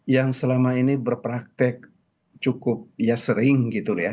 yang selama ini berpraktek cukup ya sering gitu ya